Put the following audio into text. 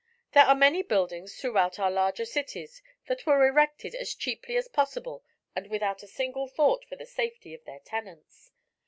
There are many buildings throughout our larger cities that were erected as cheaply as possible and without a single thought for the safety of their tenants.